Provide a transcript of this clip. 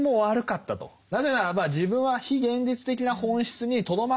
なぜならば自分は非現実的な本質にとどまっていた。